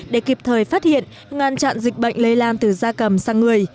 để kịp thời phát hiện ngăn chặn dịch bệnh lây lan từ da cầm sang người